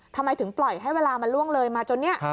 ทำไมถึงปล่อยให้เวลามันล่วงเลยมาจนเนี่ย